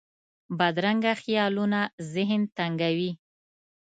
بدرنګه خیالونه ذهن تنګوي